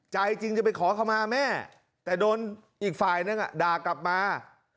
ใจจริงจะไปขอขมาแม่แต่โดนอีกฝ่ายนึงด่ากลับมา